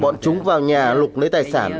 bọn chúng vào nhà lục lấy tài sản